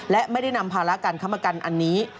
และไม่ได้นำภาระการค้ำประกันอันนี้